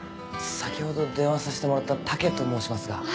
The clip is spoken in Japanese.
先ほど電話させてもらった武と申しますが。